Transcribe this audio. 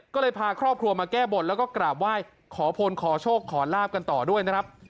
ก็เลยพาครอบครัวมาแก้บนแล้วก็กราบไหว้ขอพรขอโชคขอลาบกันต่อด้วยนะครับ